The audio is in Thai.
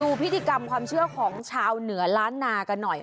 พิธีกรรมความเชื่อของชาวเหนือล้านนากันหน่อย